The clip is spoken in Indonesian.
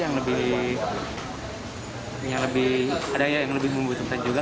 yang lebih yang lebih ada yang lebih membutuhkan juga